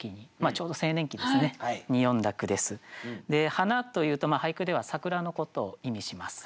「花」というと俳句では桜のことを意味します。